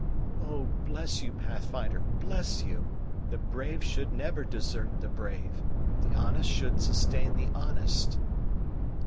"Oh, bless you, Pathfinder, bless you! The brave should never desert the brave the honest should sustain the honest."